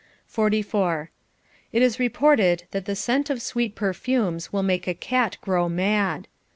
4 1. It is reported that the scent of sweet perfumes will make a cat grow mad.